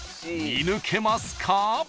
見抜けますか？］